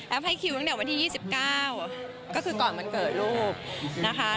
ให้คิวตั้งแต่วันที่๒๙ก็คือก่อนวันเกิดลูกนะคะ